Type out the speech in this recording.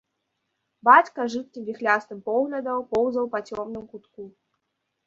Бацька жыдкім віхлястым поглядам поўзаў па цёмным кутку.